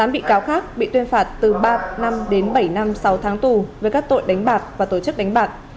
một mươi bị cáo khác bị tuyên phạt từ ba năm đến bảy năm sáu tháng tù với các tội đánh bạc và tổ chức đánh bạc